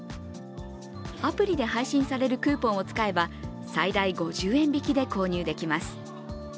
アプリで配信されるクーポンを使えば最大５０円引きで購入できます。